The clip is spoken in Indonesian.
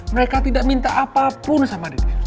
mereka tidak minta apapun sama dia